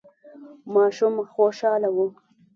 ماشوم خوشاله و.